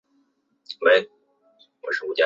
她昨晚坐高铁去了北京，下周才回来。